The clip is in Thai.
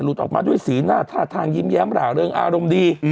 ออกมาด้วยสีหน้าท่าทางยิ้มแย้มหล่าเริงอารมณ์ดี